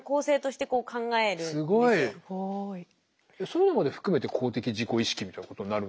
そういうのまで含めて公的自己意識みたいなことになるんですか？